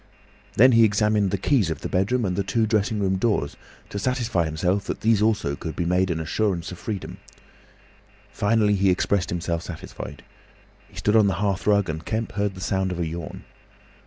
Then he examined the keys of the bedroom and the two dressing room doors, to satisfy himself that these also could be made an assurance of freedom. Finally he expressed himself satisfied. He stood on the hearth rug and Kemp heard the sound of a yawn.